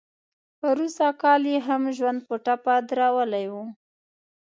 پروسږ کال هم ژوند په ټپه درولی و.